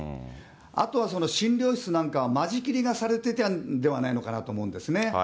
あとは診療室なんかは、間仕切りがされてたんじゃないのかなと思うんですね。